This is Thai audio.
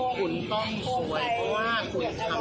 โปรดติดตามตอนต่อไป